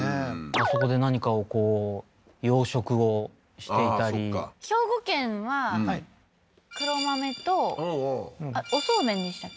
あそこで何かをこう養殖をしていたりああーそっか兵庫県は黒豆とお素麺でしたっけ？